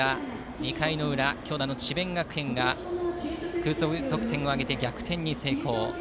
２回の裏、強打の智弁学園が複数得点を挙げて逆転に成功。